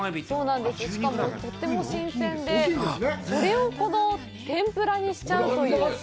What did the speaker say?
しかも、とっても新鮮で、それをてんぷらにしちゃうという。